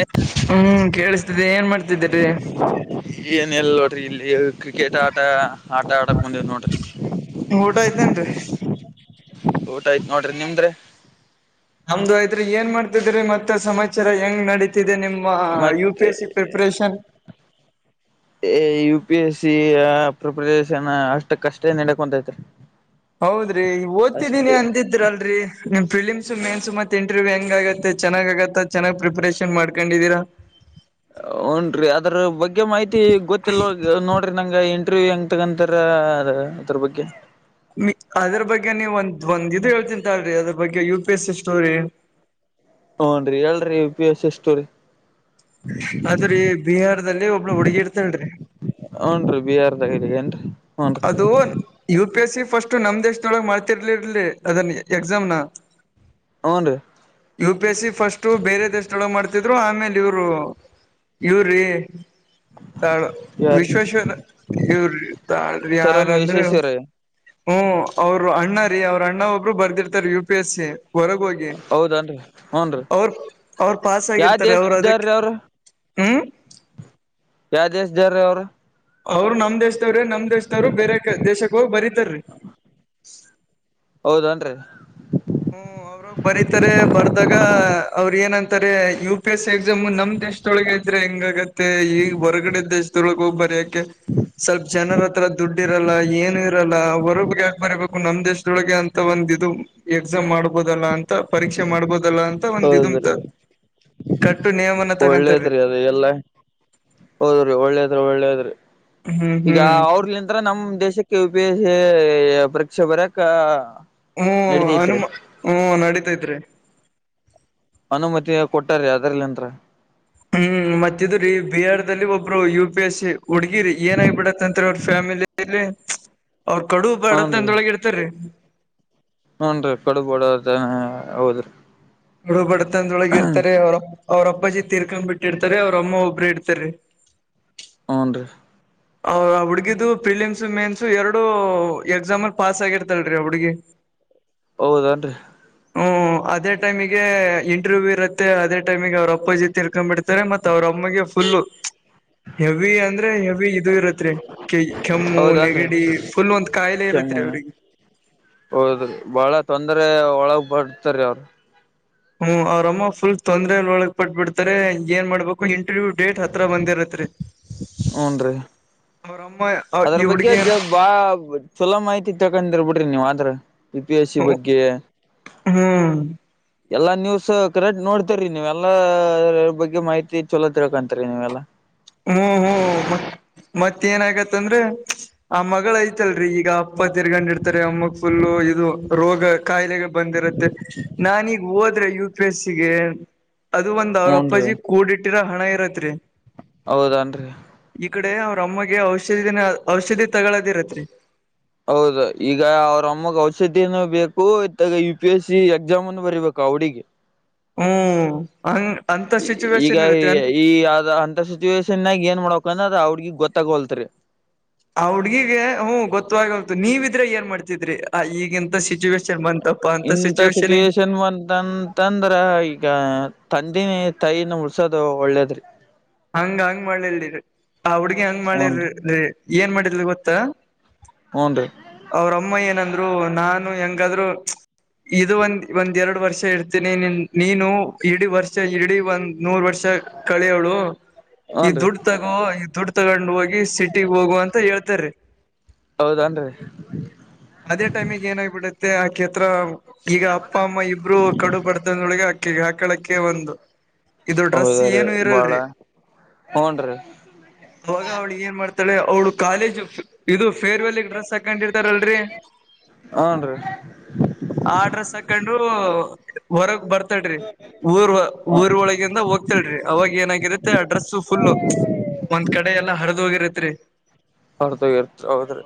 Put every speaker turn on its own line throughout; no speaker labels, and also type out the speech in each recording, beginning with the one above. A.
ಹ್ಮ್ ಕೇಳಿಸ್ತಿದೆ ಏನ್ ಮಾಡ್ತಿದ್ರಿ
[unintelligible] ಏನಲನೋಡ್ರಿ ಇಲ್ಲಿ ಕ್ರಿಕೆಟ್ ಆಟ. ಆಟ ಆಟಕ್ ಬಂದೆವ ನೋಡ್ರಿ.
ಊಟ ಆಯ್ತ್ ಏನ್ರಿ.
ಊಟ ಆಯ್ತ್ ನೋಡ್ರಿ ನಿಮ್ದ್ ರಿ.
ನಮ್ದ್ ಆಯ್ರರಿ ಏನ್ ಮಾಡ್ತಿದ್ರಿ ಮತ್ತ ಸಮಾಚಾರ ಹೆಂಗ್ ನಡೀ. ದೆ ನಿಮ್ಮ ಯು ಪಿ
ಮತ್ತೆ
S C preparation.
U P S C preparation ಅಷ್ಟ ಕಷ್ಟೇ ನಡಕೊಂತೈತ್ರಿ.
ಹೌದ್ರಿ ಓದ್ತಿದ್ದೀನಿ
ಅಷ್ಟೇ
ಅಂದಿದ್ರಲ್ರಿ. ನಿಮ್ ಫಿಲಿಮ್ಸ್ ಮೇನ್ಸ್ ಮತ್ತ ಇಂಟರ್ವ್ಯ್ ಹೆಂಗ ಆಗತ್ತೆ ಚೆನ್ನ್ ಆಗತ್ತ ಚೆನ್ನ್ ಪ್ರಿಪರೇಷನ್ ಮಾಡ್ಕೊಂಡಿದ್ದೀರಾ.
ಹ್ಞನ್ ರೀ ಅದ್ರ ಬಗ್ಗೆ ಮಾಹಿತಿ ಗೊತ್ತಿಲ್ಲವ ನೋಡಿರಿ ನಂಗೆ ಇಂಟ್ರವ್ಯೂ್ ಹೆಂಗ ತಗಂತಾರ. ಅದರ ಬಗ್ಗೆ.
ಅದ್ರ ಬಗ್ಗೆ ನೀವು ಒಂದ್ ಒಂದ್ ಇದು ಹೇಳ್ತೇನಿ ತಾಲ್ರಿ ಅದ್ರ ಬಗ್ಗೆ U P S C story.
ಹುಉನ್ರಿ ಹೇಳ್ರಿ ಯು ಪಿ ಎಸ್ ಸ್ಟೋರಿ.
ಆದ್ರೀ ಬಿಹಾರದಲ್ಲಿ ಒಬ್ಳ ಹುಡುಗಿ ಇರ್ತಲ್ರಿ.
ಹೂಂ ರಿ ಬಿಹಾರದಾಗ ಏನ್ರೀ.
ಅದು U P S C first ನಮ್ ದೇಶದೊಳಗೆ ಮಾಡ್ತಿರ್ಲಿರ್ಲಿ ಅದನ್ ಎಕ್ಸಾಮ್ ನ.
ಹೂಂ ರಿ.
U P S C first ಬೇರೆ ದೇಶದೊಳಗೆ ಮಾಡ್ತಿದ್ರು ಆಮೇಲೆ ಇವ್ರು. ಇವ್ರಿ
ಯಾರ್ರೀ
ವಿಶ್ವೇಶ್ವರ ಇವ್ರಿ. ತಾಳಿ
ಸರ್ ಎಂ
ಯಾರಂದ್ರೆ.
ವಿಶ್ವೇಶ್ವರಯ್ಯ
ಹ್ಮ ಅವರು ಅಣ್ಣ ರೀ ಅವ್ರ ಅಣ್ಣ ಒಬ್ರು ಬರ್ದಿರ್ತಾರ ಯು ಪಿ ಎಸ್ ಸಿ ಹೊರಗ ಹೋಗಿ.
ಹೌದನ್ರಿ ಹ್ನ್ ರೀ
ಅವ್ರ ಅವ್ರ ಪಾಸ್
ಯಾವ
ಆಗಿರ್ತಾರೆ ಅವರು ಅದಕ್ಕೆ
ದೇಶದಾರ್ರೀ ಅವ್ರ
ಹ್ಮ್.
ಯಾವ ದೇಶ್ ದವರ್ ರೀ ಅವ್ರು.
ಅವ್ರು ನಮ್ ದೇಶದವ್ರಿ ನಮ್ ದೇಶದವ್ರು ಬೇರೆ ದೇಶಕ್ ಹೋಗಿ ಬರೀತಾರ್ರೀ.
[unintelligible] ಹೌದನ್ರಿ.
ಹ್ಮ ಅವ್ರ. ಬರೀತಾರೆ ಬರ್ದಾಗ ಅವ್ರ ಏನಂತಾರೆ U P S C exam ನಮ್ ದೇಶದೊಳಗೆ ಇದ್ರೆ ಹೆಂಗ ಆಗುತ್ತ. ಮತ್ತೆ ಈ ಹೊರ್ಗಡೆ ದೇಶ ದೋಳಗ ಹೋಗ್ ಬರ್ಯಾಕೆ. ಸ್ವಲ್ಪ್ ಜನರ ಹತ್ರ ದುಡ್ಡು ಇರಲ್ಲ ಏನು ಇರಲ್ಲ ಹೊರಗ ಯಾಕ ಬರಬೇಕು ನಮ್ಮ್ ದೇಶದೊಳಗೆ ಅಂತ. ಒಂದ ಇದು ಎಕ್ಸಾಮ್ ಮಾಡ್ಬೋದಲ್ಲ ಅಂತ. ಪರೀಕ್ಷೆ ಮಾಡ್ಬೋದಲ್ಲ ಅಂತ ಒಂದ್ ಇದಂತ
ಹೌದ್ರಿ
ಕಟ್ಟು ನಿಯಮನ ತಗೊಂತಾರೀ.
ಎಲ್ಲ ಹೌದ್ರಿ ಒಳ್ಳೇದ್ ಒಳ್ಳೇದ್ರಿ
ಹ್ಮ್
ಈಗ
ಹ್ಮ್
ಅವ್ರಲಿಂದ. ತ್ರ ನಮ್ ದೇಶಕ್ಕೆ ಯು ಪಿ ಎಸ್ ಸಿ ಪರೀಕ್ಷೆ ಬಾರ್ಯಾಕ್.
ಹ್ಮ್ ಅನು ಹ್ಮ್ ನಡೀತಾ ಇದ್ರೆ.
ಅನುಮತಿ ಕೊಟ್ಟಾರ ಅದ್ರಲ್ಲಿಂತ್ರ.
ಹ್ಮ್ ಮತ್ತಿದ್ರೀ ಬಿಹಾರ್ ದಲ್ಲಿ ಒಬ್ರು ಯು ಪಿ ಎಸ್ ಸಿ ಹುಗಿರಿ ಏನ ಆಗಬಿಡತ್ತಂತತ್ರಿ ಅವ್ರ ಫ್ಯಾಮಿಲಿ. ಇಲ್ಲಿ ಅವ್ರ ಕಡು ಬಡತನ ದೊಳಗ ಇತ್ತಾರೀ.
ಹೂಂ ರಿ ಕಡುಬಡ ಹೌದ್ರಿ.
ಕ ಡು ಬಡತಂದೊಳಗೆ ಇರ್ತಾರೆ ಅವ್ರ ಅವ್ರ ಅಪ್ಪ ಜಿ ತೀರ್ಕೊಂಡ್ ಬಿಟ್ಟಿರ್ತಾರೆ ಅವ್ರ ಅಮ್ಮ ಒಬ್ಬರು ಇರ್ತಾರೆ.
ಹೂ ರಿ.
ಹುಡ್ಗಿದು ಪಿಲಮ್ಸ ಮೇನ್ಸು ಎರಡು ಎಕ್ಸಾಮಲ್ ಪಾಸ್ ಆಗಿರ್ತಲ್ರೀ ಹುಡ್ಗಿ. [unintelligible]
ಹೌದನ್ರಿ
ಹ್ಮ್ ಅದೇ ಟೈಮಿಗೆ ಇಂಟರ್ವ್ಯೂ ಇರುತ್ತೆ ಅದೇ ಟೈಮಿಗೆ ಅವ್ರರು ಅಪ್ಪ ಜಿತ್ ಇರ್ಕೊಂಡ್ ಬಿಿಡ್ತೆ ಮತ್ತ ಅವ್ರೊಮ್ಮಗೆ ಫುಲ್ಲ ಹೆವಿ ಅಂದ್ರೆ ಹೆವಿ ಇರುತ್ರಿ ಕೆಮ್ಮು
ಹೌದನ್ರಿ
ನೆಗಡಿ ಫುಲ್ ಒಂದ್ ಕಾಯಿಲೆ
ಕೆಮ್ಮ
ಇರುತ್ರಿ ಅವ್ರರಿಗೆ
ಹೌದ್ರಿ ಬಹಳ ತೊಂದ್ರ ಒಳಗ್ ಬಡ್ತರಿೀ ಅವ್ರರು
ಹ್ಮ ಅವ್ರಮ್ಮ ಫುಲ್ ತೊಂದ್ರಲ್ ಒಳಗ್ ಪಟ್ಟ ಬಿಡ್ತಾರೆ ಏನ್ ಮಾಡ್ಬೇಕು ಇಂಟರ್ವ್ಯೂ ಡೇಟ್ ಹತ್ರ ಬಂದಿರತ್ರಿ
ಹಊನ್ ರೀ
ಅವರಮ್ಮ
ಅದ್ರ ಬಗ್ಗೆ ಜ ಬಾ ಚಲೋ ಮಾಹಿತಿ ತಕೊಂಡಿರ್ಬಿಡ್ರಿ ನೀವ ಆದ್ರ ಪ ಪಿ ಎಸ್ ಸಿ
ಹ್ಮ್
ಬಗ್ಗೆ
ಹ್ಮ್
ಎಲ್ಲಾ ನ್ಯೂಸ್ ಕರೆಕ್ಟ್ ನೋಡ್ತರಿ ನೀವ ಎಲ್ಲಾ ಬಗ್ಗೆ ಮಾಹಿತಿ ಚಲೋ ತಿಳ್ಕೊಂತರಿ ನೀವೆಲ್ಲಾ
ಹ್ಮ್ ಹ್ಮ್ ಮತ್ತ ಏನ ಆಗತ್ತಂದ್ರೆ ಆ ಮಗಳ ಐತಲ್ರಿ ಈಗ ಅಪ್ಪ ತಿರ್ಗೊಂಡಿರ್ತಾರೆ ಅಮ್ಮಕ್ ಫುಲ್ಲು ಇದು ರೋಗ ಕಾಯಿಲೆಗೆ ಬಂದಿರುತ್ತೆ ನಾನೀಗ ಹೋದ್ರೆ ಯು ಪಿ ಎಸ್ಸಿಗೆ ಅದು ಒಂದ್ ಅವ್ರ
ಹೂನ್ರಿ
ಅಪ್ಪಾಜಿ ಕೂಡಿ ಇಟ್ಟಿರೋ ಹಣ ಇರತ್ರಿ
ಹೌದನ್ರಿ
ಈ ಕಡೆ ಅವ್ರ ಅಮ್ಮಗೆ ಔಷಧಿನ ಔಷಧಿ ತಗಳೋದಿರತ್ರಿ
ಹೌದ ಈಗ ಅವ್ರ ಅಮ್ಮಗ್ ಔಷಧಿನು ಬೇಕು ಇತ್ತಾಗ ಯು ಪಿ ಎಸ್ ಸಿ ಎಕ್ಸಾಮ್ನು ಬರೀಬೇಕು ಆ ಹುಡಿಗೆ
ಹ್ಮ್ ಹಂಗ ಅಂತ ಸಿಚುವೇೇಶನ್ ಇರ್ತ್ತವಿ ಅ
ಆದ ಅಂತ ಸುತ್ತ ಸಿಚುವೇನ್ಗ ಏನ್ ಮಾಡಬೇಕ ಅನ್ನದ ಆ ಹುಡುಗಿಗೆ ಗೊತ್ತಾಗೋಲ್ತರಿ
ಆ ಹುಡ್ಗಿಗೆ ಹ್ಮ ಗೊತ್ತಾಗ್ತು ನೀವಿದ್ರೆ ಏನ್ ಮಾಡ್ತಿದ್ರಿ ಆ ಈಗಿಂತ ಸಿಚುವೇೇಶನ್ ಮಂತಪ್ಪ ಅಂತ ಸಿಚುಷನ್ ಇ
ಅಂತಂದ್ರ ಈಗ ತಂದಿನ ತೈನ ಮುಡ್ಸದು ಒಳ್ಳೇದ್ರಿ
ಹಂಗ ಹಂಗ್ ಮಾಡ್ಲಿಲ್ರಿ ಆ ಹುಡ್ಗಿ ಹಂಗ್
ಹೂನ್ರಿ
ಮಾಡ್ಲಿಿರಿರಿ ಏನ್ ಮಾಡಿದ ಗೊತ್ತಾ
ಹ್ಮು ನ್ರಿ
ಅವ್ರ ಅಮ್ಮ ಏನಂದ್ರು ನಾನು ಹೆಂಗಾದ್ರು ಇದು ಒಂದ ಒಂದ್ ಎರಡು ವರ್ಷ ಇರ್ತೀನಿ ನೀನು ಇಡೀ ವರ್ಷ ಇಡೀ ಒಂದ್ ನೂರು ವರ್ಷ ಕಳಿಯವಳು ಈ
ಹೂನ್ ರೀ
ದುಡ್ಡು ತಗೋ ಈ ದುಡ್ಡು ತಗೊಂಡ್ ಹೋಗಿ ಸಿಟಿ ಹೋಗುವ ಅಂತ ಹೇಳ್ತ ರಿ
ಹೌದಾ ಏನ್ರಿ
ಅದೇ ಟೈಮಿಗೆ ಏನಾಗಿಬಿಡುತ್ತೆ ಆಕಿ ಅತ್ರ ಈಗ ಅಪ್ಪ ಅಮ್ಮ ಇಬ್ರು ಕಡು ಬಡತನದೊಳಗೆ ಅಕ್ಕಿಗೆ ಹಾಕಳಕ್ಕೆ ಒಂದು ಇದು ಡ್ರೆಸ್
ಹೌದ್ರೀ
ಏನು
ಬಾಳ
ಇರಲ್ರಿ
ಹೂನ್ ರೀ
ಅವಾಗ ಅವ್ಳಿ ಏನ್ ಮಾಡ್ತಾಳೆ ಅವಳು ಕಾಲೇಜ್ ಇದು ಫೇರ್ವೆಲ್ ಡ್ರೆಸ್ ಹಾಕೊಂಡಿರ್ತಾರಲ್ರಿ
ಹನ್ ರೀ
ಆ ಡ್ರೆಸ್ ಹಾಕಂಡು ಹೊರಗ್ ಬರ್ತಳ್ರಿ ಊರ್ ಊರ್ ಒಳಗಿಂದ ಹೋಗ್ತಳ್ರಿ ಅವಾಗ ಏನಾಗಿರುತ್ತೆ ಆ ಡ್ರೆಸ್ಸ ಫುಲ್ಲು ಒಂದ್ ಕಡೆ ಎಲ್ಲಾ ಹರದ್ ಹೋಗಿರತ್ರಿ
ಅರ್ಧ ಹೋಗಿರ್ತಾ ಹೌದ್ರಿ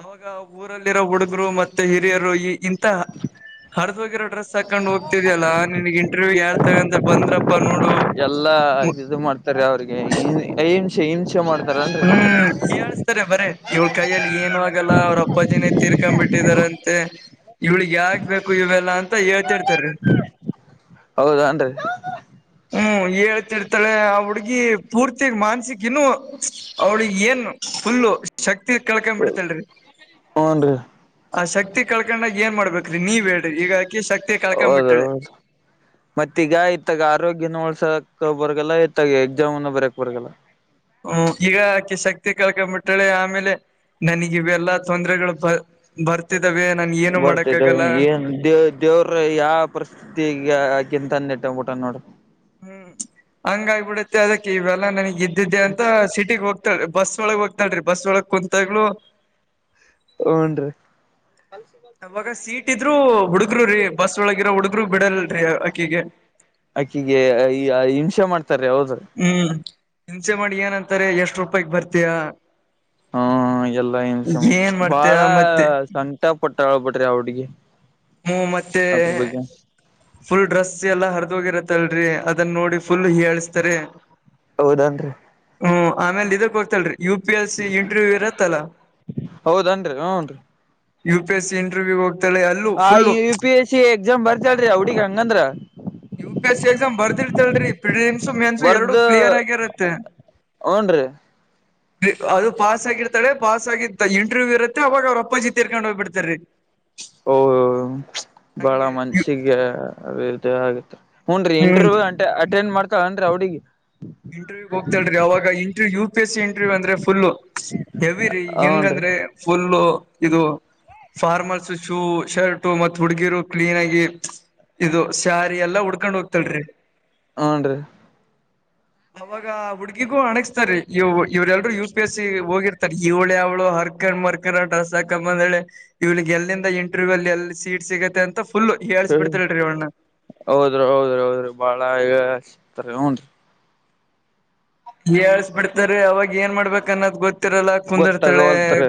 ಅವಾಗ ಊರಲ್ಲಿರೋ ಹುಡುಗರು ಮತ್ತೆ ಹಿರಿಯರು ಈ ಇಂತ ಹರ್ ಹೋಗಿರೋ ಡ್ರೆಸ ಹಾಕೊಂಡು ಹೋಗ್ತಿದ್ಯಲ್ಲಾ ನಿನಗ್ ಇಂಟರ್ವ್ಯವ ಯಾರ್ ತಗ ಅಂತ ಬಂದ್ರಪ್ಪಾ ನೋಡು
ಎಲ್ಲಾ ಇದ ಇದು ಮಾಡ್ತಾರೆ ಅವ್ರಿಗೆ ಹಿಂಸೆ ಹಿಂಸೆ ಮಾಡ್ತಾರನ್ರಿ
ಸರಿ ಬರೇ ಇವ್ಳ ಕೈಯಲ್ಲಿ ಏನು ಆಗಲ್ಲ ಅವ್ರ ಅಪ್ಪಾಜಿನೇ ತೀರ್ಕೊಂಡ್ ಬಿಟ್ಟಿದಾರಂತೆ ಇವಳಿಗೆ ಯಾಕ್ ಬೇಕು ಇವೆಲ್ಲಾ ಅಂತ ಹೇಳ್ತಿರ್ತಾರೀ
ಹೌದ ಏನ್ರಿ
ಹ್ಮ್ ಹೇಳ್ತಿರ್ತಾರೆ ಆ ಹುಡ್ಗಿ ಪೂರ್ತಿಗ್ ಮಾನ್ಸಿಕ ಇನ್ನು ಅವ್ಳಿ ಏನ್ ಫುಲ್ಲು ಶಕ್ತಿ ಕಳ್ಕ ಬಿಡ್ತಳೆ
ಹೂನ್ ರೀ
ಆ ಶಕ್ತಿ ಕಳ್ಕೊಂಡಾಗ ಏನ್ ಮಾಡ್ಬೇಕ್ರಿ ನೀವ್ ಹೇಳ್ರಿ ಈಗ ಆಕಿ ಶಕ್ತಿ ಕಳ್ಕೊಂಡ್
ಹೌದ್ರ
ಬಿಟ್ಟಾಳೆ
ಹೌದು. ಮತ್ತೀಗ ಇತ್ತಾಗ ಆರೋಗ್ಯನ ಉಳ್ಸಾಕ ಬರ್ಗಲ್ಲ ಇತ್ತಾಗ ಎಕ್ಸಾಮುನ್ನೂ ಬರಿಯಕ್ ಬರಗಲ್ಲ.
ಹ್ಮ ಈಗ ಆಕೆ ಶಕ್ತಿ ಕಳಕಬಿಟ್ಟಳೆ ಆಮೇಲೆ ನನಗ ಇವೆಲ್ಲಾ ತೊಂದರೆಗಳು ಪ ಬರ್ತಿದ್ದವೆ ನನಗೇನು ಮಾಡಕ್ಕಗಲ್ಲ.
ದೇ ದೇವ್ರು ಯಾವ ಪರಿಸ್ಥಿತಿಗಗಿಂತ ನೆಟ್ಟ್ಬಿಂಟನ್ ನೋಡು.
ಹ್ಮ್ ಹಂಗಾಗಿಬಿಡತ್ತೆ ಅದಕ್ಕೆ ಇವೆಲ್ಲಾ ನನಗ್ ಇದ್ದಿದ್ದೆ ಅಂತ ಸಿಟಿಗೆ ಹೋಗ್ ತ ಬಸ್ ಒಳಗ್ ಹೋಗ್ತಾಳ್ರಿ ಬಸ್ ಒಳ ಕುಂತಗ್ಲು
ಹ್ಮು ನ್ರಿ.
ರೂಳಗಿರ ಹುಡುಗ್ರು ಬಿಡಲ್ರಿ ಆಕಿಗೆ.
ಅಕ್ಕಿಗೆ ಹಿಂಸೆ ಮಾಡ್ತಾರ್ರೀ ಹೌದು.
ಹ್ಮ್ ಹಿಂಚಸೆ ಮಾಡಿ ಏನಂತಾರೆ ಎಷ್ಟು ರೂಪಾಯ್ಗೆ ಬರ್ತೀಯಾ?
ಹ್ಮ ಎಲ್ಲಾ ಹಿಂಸೆ
ಏನ್ ಮಾಡ್ತಯ
ಬಾಳ
ಮತ್ತೆ
ಸಂಕ್ಟ ಪಟ್ಟಳ್ಬಿಡ್ರಿ ಆ ಹುಡ್ಗಿ.
ಹ್ಮ ಮತ್ತೆ
ಅದ್ರ ಬಗ್ಗೆ
ಫುಲ್ ಡ್ರೆಸ್ ಎಲ್ಲ ಹರದೋಗಿರತ್ತಲ್ರರಿ ಅದನ್ನ ನೋಡಿ ಫುಲ್ ಇಯಾಳಿಸ್ತರೆ.
ಹೌದನ್ರಿ.
ಹ್ಮ ಆಮೇಲೆ ಇದಕ್ಕೋಗ್ತಾಳ್ರಿ U P L C interview ಇರತ್ತಲ್ಲಾ
ಹೌದನ್ರಿ ಹೂಂನ್ರಿ.
U P S C interview ಹೋಗ್ತಾಳೆ. ಅಲ್ಲೂ
ಆ
full
U P S C exam ಬರ್ದಾಳ್ರಿ ಹಂಗಂದ್ರ
U P S C exam ಬರ್ದಿತ್ತಾಳ್ರಿ ಪ್ರಿಲಿಮ್ ಸು ಮೇನ್ಸು ಎರಡು
ಬರ್ದ
ಕ್ಲಿಯರ್ ಆಗಿರುತ್ತೆ.
ಹೂನ್ರಿ
ರೀ ಅದು ಪಾಸ್ ಆಗಿರ್ತಾಳೆ ಪಾಸಾಗಿ ಇಂಟ್ರವ್ಯ್ ಇರುತ್ತೆ ಅವಾಗ ಅವ್ರ ಅಪ್ಪಾಜಿ ತೀರ್ಕೊಂಡ್ಹೋಗ್ ಬಿಡ್ತಾರ್. ರೀ ಹ
ಓ ಬಾಳ ಮನ್ಸಿಗೆ ಅದ ಬೇಜಾರಾಗುತ್ತೆ ಹ್ಮು ನ್ರಿ
ಹ್ಮ್
ಇಂಟರ್ವ್ಯೂ ಅಟೆಂಡ್ ಮಾಡ್ತಾಳ್ ಅಂದ್ರೆ ಆ ಹುಡುಗಿ.
ಇಂಟರ್ವ್ಯ್ ಹೋಗತಾಳ್ರೀ ಅವಾಗ ಇಂಟರ್ವ U P S C interview ಅಂದ್ರೆ ಫುಲ್ಲು ಹೆವಿರಿ
ಹೂನ್ರಿ
ಹೆಂಗಂದ್ರೆ ಫುಲ್ಲು ಇದು ಫಾರ್ಮಲ್ಸು ಶೂ ಶರ್ಟ್ ಟು ಮತ್ ಹುಡ್ಗೀರು ಕ್ಲೀನ್ ಆಗಿ ಇದು ಸ್ಯಾರಿ ಎಲ್ಲಾ ಉಡ್ಕೊಂಡ್ ಹೋಗ್ತಾಳ್ರಿ.
ಹಾಂ ರೀ
ಅವಾಗ ಹುಡ್ಗಿಗೂ ಅಣಗ್ಸ್ತಾರಿ ಇವ ಇವ್ರೆಲ್ರೂ ಯು ಪಿ ಎಸ್ ಸಿ ಹೋಗಿರ್ತಾರೆ ಇವಳ್ ಯಾವಳು ಹರ್ಗಂಡ್ ಮರ್ ರ್ಕ ಡ್ರೆಸ್ಸಾಕ ಬಂದಳೆ ಇವ್ಳಿಗೆಲ್ಲಿಂದ ಇಂಟರ್ವ್ಯೂ ಅಲ್ಲಿ ಎಲ್ಲಿ ಸೀಟ್ ಸಿಗುತ್ತೆ ಅಂತ ತ ಫುಲ್ಲು ಹಿಯಾಳ್ಸ್ ಬಿಡ್ತಾರಿ ಅವಳನ್ನ.
ಹೌದ್ರ ಹೌದ್ರಿ ಹೌದ್ರಿ ಬಾಳ ಈಗ [unintelligible]
ಹಿಯಾಳ್ಸ್ಬಿಡ್ತಾರ್ರೀ ಅವಾಗ ಏನ್ ಮಾಡ್ಬೇಕನ್ನೋದ್ ಗೊತ್ತ್
ಗೊತ್ತಾಗವಲ್ತ್ರಿ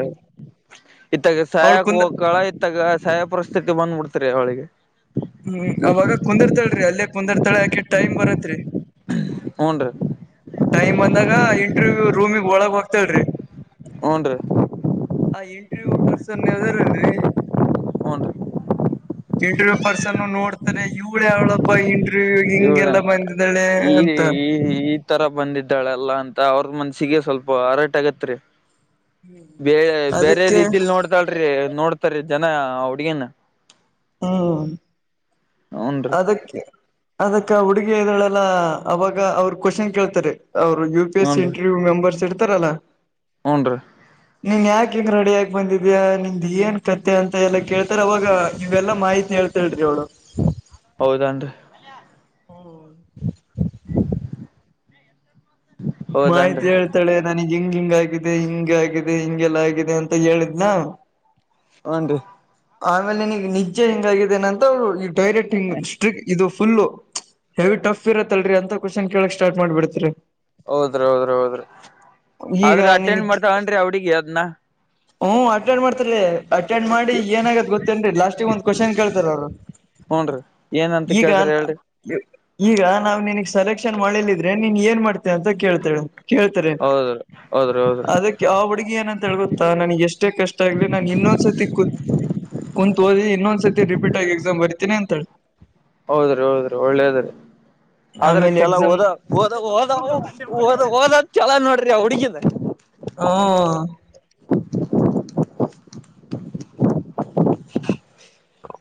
ಇತ್ತಾಗ
ಅವ್ಳ
ಸಾಯಕ್
ಕುಂದ
ಹೋಕ್ಕಾಳ ತ್ತಗ ಸಾಯೊ ಪರಿಸ್ಥಿತಿ ಬಂದ್ಬಿಡ್ತೀರಿ ಅವಳಿಗೆ.
ಹ್ಮ್ ಅವಾಗ ಕುಂದಿರ್ತಾಳ್ರೀ ಅಲ್ಲೇ ಕುಂದಿರ್ತಳ ಆಕಿ ಟೈಮ್ ಬರತ್ರಿ.
ಹ್ನ್ ರೀ
ಟೈಮ್ ಬಂದಾಗ ಇಂಟರ್ವ್ಯೂ ರೂಮಿಗೆ ಒಳಗ್ ಹೋಗ್ತಾಳ್ರೀ.
ಹ್ನ್ ರೀ
ಆ ಇಂಟ್ರವ್ಯೂ ಪರ್ಸನ್ ಅದಾರಲ್ರೀ
ಹೂನ್ ರೀ
ಇಂಟರ್ವ್ಯೂ ಪರ್ಸನ್ನು ನೋಡ್ತಾನೆ ಇವಳ್ಯಾವಳು ಅಪ್ಪ ಇಂಟ್ರವ್ಯೂಗ್ ಹಿಂಗೆಲ್ಲ ಬಂದಿದ್ದಾಳೆ ಅಂತ
[inaudible] ಈತರ ಬಂದಿದ್ದಾಳಲ್ಲಾ ಅಂತ ಅವ್ರ್ ಮನ್ಸಿಗೆ ಸ್ವಲ್ಪ ಹರ್ಟ್ ಆಗತ್ರಿ. ಬೇಳೆ ಬೇರೆ
ಅದಕ್ಕೆ
ರೀತೀಲ್ ನೋಡ್ತಾಳ್ರಿ ನೋಡ್ತಾರೀ ಜನ ಹಡ್ಗಿನ.
ಹಾಂ
ಹೂನ್ರಿ
ಅದಕ್ಕೆ ಅದಕ್ಕ ಹುಡುಗಿ ಇದ್ದಳೆಲ್ಲ ಅವಾಗ ಅವರು ಕ್ವಶನ್ ಕೇಳ್ತಾರೆ ಅವರು ಸ್ ಇಂಟರ್ವ್ಯ ಮೆಂಬರ್ ಸೆಟ್ತರ ಅಲ್ಲ
ಹ್ಞನ್ ರೀ
ನೀನ್ ಯಾಕ ಹಿಂಗ ರೆಡಿಯಾಗಿ ಬಂದಿದ್ಯಾ ನಿಮ್ದ್ ಏನ್ ಕಥೆ ಅಂತ ಎಲ್ಲ ಕೇಳ್ತಾರೆ ಅವಾಗ ನೀವೆಲ್ಲ ಮಾಹಿತಿ ಹೇಳ್ತಾ ಹೇಳ್ರಿ ಅವಳು
ಹೌದಾನ್ರಿ
ಹ್ಮ ಮಾಹಿತಿ
ಹೌದನ್ರಿ
ಹೇಳ್ತಾಳೆ ನನಗ್ ಹಿಂಗ ಹಿಂಗ ಆಗಿದೆ ಹಿಂಗ ಆಗಿದೆ ಹಿಂಗೆಲ್ಲ ಆಗಿದೆ ಅಂತ ಹೇಳಿದ್ನ
ಹ್ನ್ ರರಿ
ಆಮೇಲೆ ನಿನಗೆ ನಿಜೆ ಹೆಂಗಗಿದ್ದೇನೆ ಅಂತ ಈ ಡೈರೆಕ್ಟ್ ಹಂಗ್ ಸ್ಟ್ರಿಕ್ ಇದು ಫುಲ್ಲು ಹೆವಿ ಟಫ್ ಇರತ್ತಲ್ರರಿ ಅಂತ ಕ್ವಶನ್ ಕೇಳಕ್ ಸ್ಟಾರ್ಟ್ ಮಾಡ್ಬಿಡ್ತರಿ
ಹೌದ್ರ ಹೌದ್ರ ಹೌದ್ರಿ
ಈಗ
ಆದ್ರೆ ಅಟೆಂಡ್ ಮಾಡ್ತಾಳೆ ಏನ್ರಿ ಆ ಹುಡುಗಿ ಅದ್ನ
ಹ್ಮ ಅಟೆಂಡ್ ಮಾಡ್ತರಿೀ ಅಟೆಂಡ್ ಮಾಡಿ ಏನಾಗದ ಗೊತ್ತೇನ್ರಿ ಲಾಸ್ಟಿಗೆ ಒಂದ್ ಕ್ವನ್ ಕೇಳ್ತಾರ ಅವರು
ಹೂನ್ರಿ ಏನಂತ
ಈಗ
ಕೇಳ್ತಾರ ಹೇಳ್ರಿ
ಈಗ ನಾವವು ನಿಿನಗ್ ಸೆಲೆಕ್ಷನ್ ಮಾಡಿಲ್ಲಿದ್ರೆ ನೀನ್ ಏನ್ ಮಾಡ್ತ ಕೇಳ್ತ ಕೇಳ್ತಾರೆ
ಹೌದ್ರಿ ಹೌದ್ರಿ ಹೌದ್ರಿ
ಅ ಆ ಹುಡುಗಿ ನ ಅಂತ ಹೇಳಳ್ ಗೊತ್ತಾ ನನ್ಗೆ ಎಷ್ಟೇ ಕಷ್ಟ ಆಗ್ಲಿ ನಾನನ್ ಇನ್ನೊಂದ್ಸತಿ ಕುಂತ ಓದಿ ಇನ್ನೊಂದ್ ಸತಿ ರಿಪೀಟ್ ಆಗೀ ಎಕ್ಷಮ ಬರ್ತೀನಿ ಅಂತ ಹೇಳಿ
ಹೌದ್ರಿ ಹೌದ್ರಿ ಒಳ್ಳೇದ್ರಿ ಆದ್ರ
ಆಮೇಲೆ
ಚಲ
ಎಕ್ಸಾಮ್
ಓಹೋ ಹಓದ ಹೋದದ ಓದ ಹಓದದ್ ಚಲಳ ನೋಡ್ರಿ ಅವ ಹುಡ್ಗಿಿಂದ
ಹ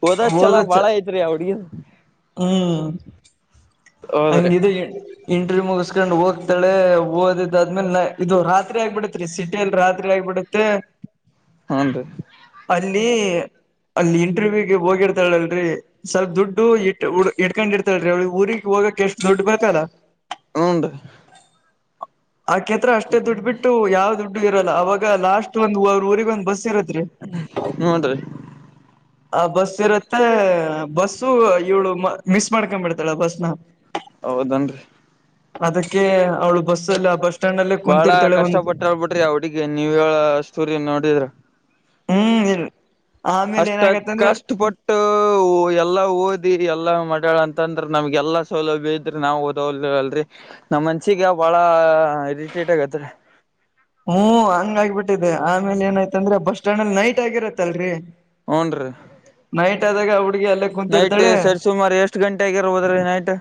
ಹೋದದ್ ಚಲ
ಓದ ಚ
ಭಾಳ ಐತ್ರೀ ಹ ಹುಡುಗಿದು
ಹ್ಮ್
ಹೌದ್ರಿ
ಹಂಗಿದಿದ ಇಂಟ್ರವ್ಯ ಮುಗಿಸಸ್ಕೊಂಡ್ ಹೋಗ್ತಾಳೆ ಓದ್ ಆದ್ಮೇಲೆ ಇದು ರಾತ್ರಿ ಆಗ್ಬಿಡೇತ್ ರೀ ಸೀ ಲ್ ರಾತ್ರಿ ಆಗ್ಿಬಿಡುತ್ತೆ
ಹಾೀ
ಅಲ್ಲಿ ಅಲ್ಲಿ ಇಂಟರ್ವ್ಯೂಗೆ ಹೋಗಿರ್ತಾಳಳ ಅಲ್ರಿ ಸಲ್ ದುಡ್ಡು ಇ ಇಟ್ಕೊಂಡ್ ಇರ್ತಾಳ್ರೀ ಅವಳ ಊರಿಗೆಗ್ ಹೋಗಕಕ್ ಎಷ್ಟು ದುಡ್ಡು ಬೇಕತಲ್ಲ
ಹಂರ್
ಆಕೆತ್ರ ಅಷ್ಟೇ ದುಡ್ಡು ಬಿಟ್ಟು ಯಾವ್ ದುಡ್ಡು ಇರಲ್ಲ ಅವವಾಗ ಲಾಸ್ಟ್ ಒಂದ್್ರ ಊರಿಗೆಗ ಒಂದ ಬಸ್ ಇರತ್
ಹುನ್ರಿ
ಆ ಬಸ್ ಇರತ್ತೆ ಬಸ್ಸು ಇವಳುಮಿಸ್ ಮಾಡ್ಕೊ್ಬಿಡ್ತಾಳ ಬಸ್ನ
ಹೌದನ್
ಅದಕ್ಕೆ ಅವಳು ಬಸ್ ಎಲ್ಲ
ಬಾಳ ಕಷ್ಟ ಪಟ್ಟಳ್ಬಿಟ್ರಿ ಅವಡಿಗೆ ನೀವ ಹೇಳ ಸ್ಟೋರಿ ನೋಡಿದ್ರ
ಹ್ಮ್ ಇಲ್ರಿ ಆಮೇಲೆ
ಅಷ್ಟ
ಏನಾಗತ್ತಂದ್ರೆ
ಕಷ್ಟಪಟ್ಟು ಎಲ್ಲಾ ಓದಿ ಎಲ್ಲಾ ಮಾಡ್ಯಾಳ ಅಂತಂದ್ರ ನಮ್ಗೆ ಎಲ್ಲಾ ಸೌಲಭ್ಯ ಇದ್ರಿ ನಾವ್ ಓದವಲ್ ಅಲ್ರರಿ ನಮ್ಮ ಮನ್ಸಿಗೆ ಭಾಳ ಇರಿಟೇಟ್ ಆಗತ್ರಿ
ಹ್ಮ್ ಹಂಗ ಆಗ್ಬಿಟ್ಟಿದೆೆ ಆಮೇಲೆ ಏನಾಯ್ತಂದ್ರೆ ಬಸ್ ಸ್ಟ್ಯಾಂಡ್ ಅಲ್ಲಿ ನೈಟ್ ಆಗಿರತ್ತಲ್ರರಿ
ಹ್ನ್ ರೀ
ನೈಟ್ ಆದಾಗ ಹುಡುಗ
ನೈಟ್ ಸರಿ ಸುಮಾರು ಎಷ್ಟು ಗಂಟೆ ಆಗಿರ್ಬೋದ್ರೀ ನೈಟ್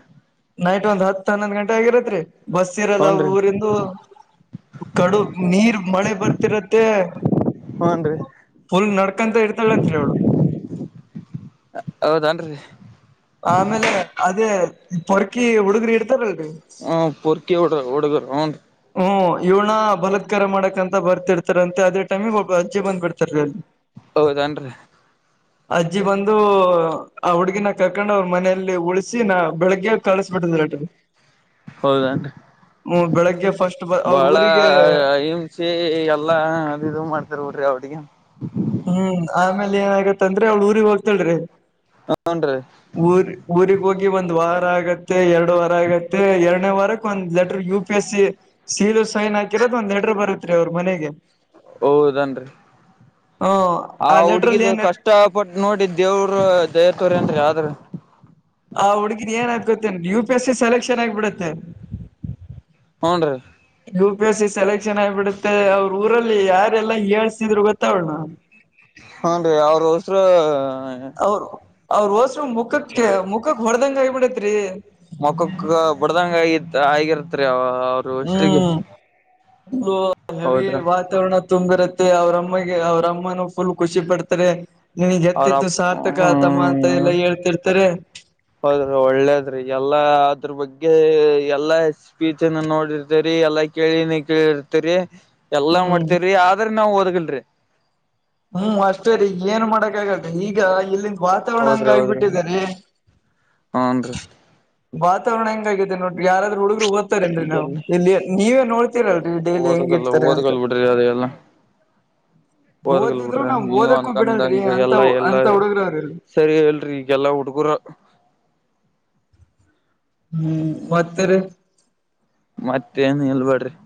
ನೈಟ್ ಒಂದ್ ಹತ್ತು ಹನ್ನೊಂದ್ ಗಂಟೆ ಆಗಿರತ್ರಿ ಬಸ್ ಇರಲ್ಲ
ಹೂನ್ರಿ
ಊರಿಂದು ಕಡು ನೀರ್ ಮಳೆ ಬರ್ತಿರತ್ತೆ
ಹನ್ರಿ
ಫುಲ್ ನಡ್ಕಂತ ಇರ್ತಾಳಂತ್ರಿ ಅವಳು
[inaudible] ಹೌದನ್ರಿ
ಆಮೇಲೆ ಅದೇ ಪೊರ್ಕಿ ಹುಡುಗರಿ ಇಡ್ತಾರಲ್ರಿ
ಹ್ಂ ಪುರ್ಕಿ ಹಡ್ರ ಹುಡುಗರು ಅವ್ನ್
ಹ್ಮ್ ಇವನ ಬಲತ್ಕಾರ ಮಾಡಕಂತ ಬರ್ತಿರ್ತಾರಂತೆ ಅದೇ ಟೈಮಿಗೆ ಅಜ್ಜೆ ಬಂದ್ಬಿಡ್ತಾರೀ ಅಲ್ಲಿ
ಹೌದನ್ರರಿ
[inaudible] ಅಜ್ಜಿ ಬಂದು ಆ ಹುಡ್ಗಿನ ಕಕೊಂಡ್ ಅವ್ರ ಮನೆಯಲ್ಲಿ ಉಳಿಸಿ ನಾ ಬೆಳಗ್ಗೆ ಕಳಿಸ್ಬಿಟ್ಟಿದ್ರಟ [inaudible]
ಹೌದನ್ರಿ
ಹ್ಮ್ ಬೆಳಗ್ಗೆ ಫಸ್ಟ್ ಬ ಅವ್ರ
ಬಾಳ
ಊರಿಗೆ
ಂಸಿ ಎಲ್ಲಾ ಅದು ಇದು ಮಾಡ್ತಾರ ೋಡ್ರಿ ಅವ್ರಿಗೆ
ಹ್ಮ್ ಆಮೇಲೆ ಏನ ಆಾಗತ್ತಂದ್ರೆ ಅವ್ಳ ಊರಿಗೆಗ್ ಹೋಗ್ತಾಳರಿ
ಹನ್ ರೀ
ಊರ್ ಊಗ್ ಹೋಗಿ ಒಂದ್ ವಾರ ಆಗತ್ತೆ ಎರಡು ವಾರ ಆಗತ್ತೆ ಎರಡನೇ ವಾರಕ್ಕೆ ಒಂದ್ letter U P S C ಸೀದು ಸೈನ್ ಹಾಕಿರೋದು ಒಂದ್ ಲೆಟರ್ ಬರುತ್ ರೀ ಅವ್ರ ಮನೆಗೆ
ಹೌದನ್ರಿ
ಹ
ಆ
ಲೆಟ್ರಲ್ಲಿ
ಹುಡ್ಗಿದ
ಏನ
ಕಷ್ಟ ಇಷ್ಟ ಪಟ್ಟ ನೋಡಿ ದೇವರು ದಯತೋರಿ ಅಂದ್ರ ಆದ್ರೂ
ಆ ಹುಡ್ಗಿನ್ ಏನಾದ್ ಗೊತ್ತೇ U P S C selection ಆಗಿಬಿಡತ್ತೆ
ಹ್ನ್ ರೀ
U P S C selection ಆಗಿಬಿಡುತ್ತೆ ಅವ್ರ ಊರಲ್ಲಿ ಯಾರೆಲ್ಲಾ ಹೀಯಾಳಿಸಿದ್ರು ಗೊತ್ತಾ ಅವಳನ್ನ
ಹ್ಮ್ ರಿ ಅವ್ರ ಹೊಸೂರು
ಅವರು ಅವ್ರ ಹೋಸ್ರು ಮುಖಕ್ಕೆ ಮುಖಕ್ ಹೊಡದಂಗ ಆಗಿಬಿಡತ್ರಿ
ಮಖಕ್ಕ ಬಡ್ದಂಗ ಆಗ ಆಗಿರ್ತ್ರಿ ಅವ
ಹ್ಮ್ ಹೆವಿ
ಹೌದ್ರ
ವಾತಾವರಣ ತುಂಬಿರತ್ತೆ ಅವ್ರಮ್ಮಗೆ ಅವ್ರಮ್ಮನ ಫುಲ್ ಖುಷಿ ಪಡ್ತಾರೆ ನಿನಗ್
ಅವ್ರ
ಎತ್ತಿತ್ತು
ಅಪ್
ಸಾರ್ಥಕ ಆತಮ್ಮ ಅಂತ ಎಲ್ಲ ಹೇಳ್ತಿರ್ತಾರೆ
ಹೌದ್ರೀ ಒಳ್ಳೇದ್ರಿ ಎಲ್ಲಾ ಅದ್ರ ಬಗ್ಗೆ ಎಲ್ಲಾ ಸ್ಪೀಚ್ನ್ನು ನೋಡಿರ್ತರಿ ಎಲ್ಲಾ ಕೇಳಿನ ಕೇಳಿರ್ತರಿ ಎಲ್ಲಾ
ಹ್ಮ್
ಮಾಡ್ತೇವ್ರಿ ಆದ್ರ ನಾವ್ ಓದಗಿಲ್ರಿ
ಹ್ಮ್ ಅಷ್ಟೇ ರೀ ಏನ್ ಮಾಡಕ್ ಆಗಲ್ಲ ಈಗ ವಾತಾವರಣ ಹಂಗ
ಹೌದ್ರಿ ಹೌದ್ರಿ
ಆಗ್ಬಿಟ್ಟ ರ
ಹನ್ರಿ
ವಾತಾವರಣ ಹೆಂಗ ಆಗೈತಿ ನೋಡ್ರಿ ಯಾರಾದ್ರ ಹುಡುಗರು ಹ ಇರ್ತಾರೇನ್ರಿ ನಾವು
ಈಗೆಲ್ಲಿ
ಇಲ್ಲಿ ನೀವೇ ನೋಡ್ತೀರಲ್ರರಿ ಡೈಲಿ ಹೆಂಗ ಇರ್ತಾರೆ ಅಂತ
ಲ್ಲ ಹಓದಗಲ್
ಓದಿದ್ರು
ಬಿಡ್ರಿ
ನಾವ್
ನೀವ್
ಓದಕ್ಕೂ ಬಿಡಲ್ರಿ
ಅನ್ಕಂದಂಗ
ಅಂತ
ಎಲ್ಲಾ ಎಲ್ಲಾ
ಅಂತ ಹುಡುಗರವ್ರಲ್ರಿ
ಸರಿ ಹೇಳ್ರಿ ಎಲ್ಲಾ ಹುಡುಗುರು
ಹ್ಮ್ ಮತ್ತರಿ
ಮತ್ತೇನ್ ಇಲ್ಲ ನೋಡ್ರಿ